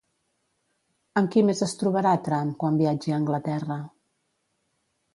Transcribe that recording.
Amb qui més es trobarà, Trump, quan viatgi a Anglaterra?